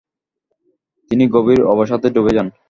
তিনি গভীর অবসাদে ডুবে যান।